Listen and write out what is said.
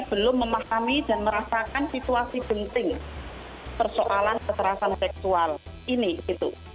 belum memahami dan merasakan situasi genting persoalan kekerasan seksual ini gitu